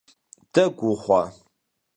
Дэгу ухъуа?